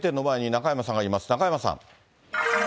中山さん。